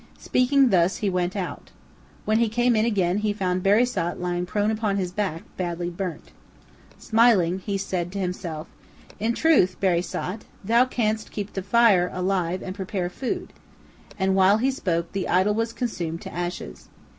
Speaking thus, he went out. When he came in again, he found Barisat lying prone upon his back, badly burnt. Smiling, he said to himself, "In truth, Barisat, thou canst keep the fire alive and prepare food," and while he spoke, the idol was consumed to ashes.